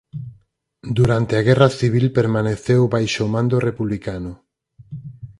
Durante a guerra civil permaneceu baixo o mando republicano.